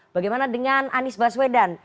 bagaimana dengan anies baswedan